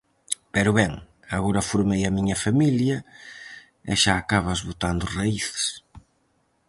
Pero ben, agora formei a miña familia e xa acabas botando raíces.